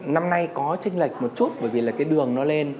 năm nay có tranh lệch một chút bởi vì là cái đường nó lên